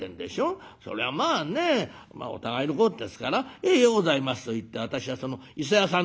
そりゃまあねお互いのことですから『ええようございます』と言って私はその伊勢屋さん